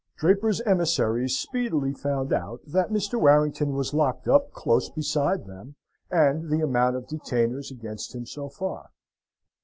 Draper's emissaries speedily found out that Mr. Warrington was locked up close beside them, and the amount of detainers against him so far.